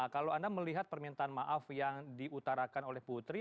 kalau anda melihat permintaan maaf yang diutarakan oleh putri